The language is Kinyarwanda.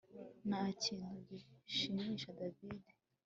Ntakintu gishimisha David